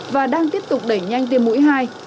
và đang tiếp tục đẩy nhanh tiêm mũi hai